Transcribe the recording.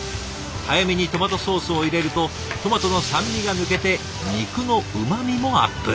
早めにトマトソースを入れるとトマトの酸味が抜けて肉のうまみもアップ。